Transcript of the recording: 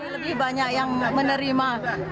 lebih banyak yang menerima